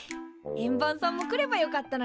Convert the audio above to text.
円盤さんも来ればよかったのに。